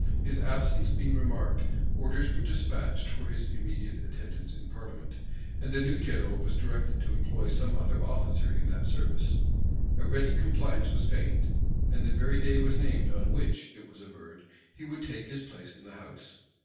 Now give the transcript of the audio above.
His absence being remarked orders were despatched for his immediate attendance in parliament; and the new general was directed to employ some other officer in that service. A ready compliance was feigned; and the very day was named on which, it was averred, he would take his place in the house.